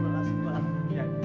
terima kasih pak